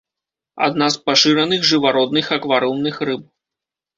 Адна з пашыраных жывародных акварыумных рыб.